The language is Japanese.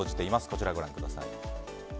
こちらご覧ください。